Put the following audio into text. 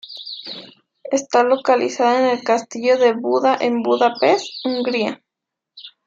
Está localizada en el Castillo de Buda en Budapest, Hungría.